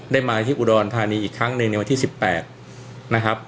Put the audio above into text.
มาที่อุดรธานีอีกครั้งหนึ่งในวันที่๑๘นะครับ